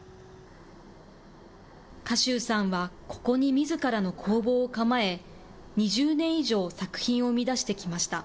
賀集さんは、ここにみずからの工房を構え、２０年以上、作品を生み出してきました。